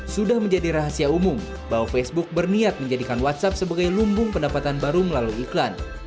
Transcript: sudah menjadi rahasia umum bahwa facebook berniat menjadikan whatsapp sebagai lumbung pendapatan baru melalui iklan